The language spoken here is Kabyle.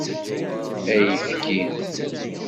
Ayefki.